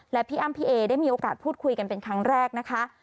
และพี่อ้ำพี่เอได้มีโอกาสพูดคุยกันเป็นครั้งแรกนะคะ